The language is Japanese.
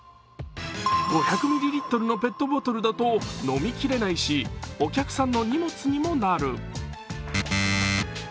５００ミリリットルのペットボトルだと飲みきれないしお客さんの荷物にもなる。